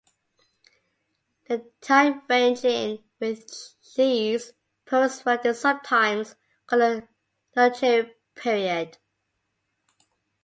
The time range in which these poets wrote is sometimes called the Neoteric period.